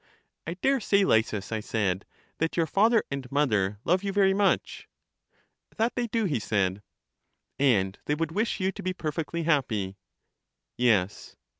I dare say. Lysis, I said, that your father and mother love you very much. That they do, he said. And they would wish you to be perfectly happy. Yes.